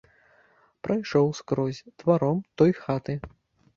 Прайшоў скрозь дваром той хаты.